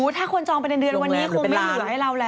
ถ้าคนจองไปในเดือนวันนี้คงไม่เหลือให้เราแหละ